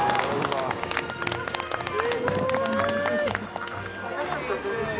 すごーい！